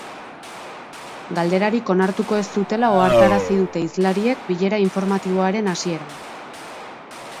Galderarik onartuko ez zutela ohartarazi dute hizlariek bilera informatiboaren hasieran.